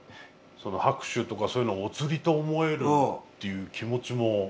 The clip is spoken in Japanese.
拍手とかそういうのをおつりと思えるっていう気持ちも。